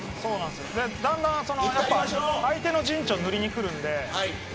だんだん相手の陣地を塗りに来るので。